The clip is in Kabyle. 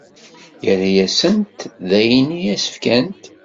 Yerra-asent-d ayen i as-fkant.